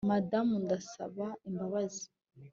Madamu Ndasaba imbabazi